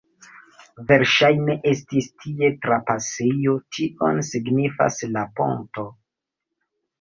Verŝajne estis tie trapasejo, tion signifas la ponto.